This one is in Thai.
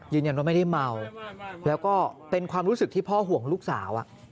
ยืนยันว่าไม่ได้เมาแล้วก็เป็นความรู้สึกที่พ่อห่วงลูกสาว